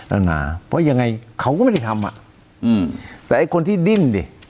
เพราะยังไงเขาก็ไม่ได้ทำแต่ไอ้คนที่ดิ้นดิ